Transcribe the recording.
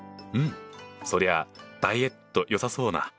うんそりゃあダイエットよさそうな。